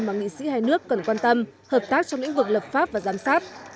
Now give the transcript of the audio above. mà nghị sĩ hai nước cần quan tâm hợp tác trong lĩnh vực lập pháp và giám sát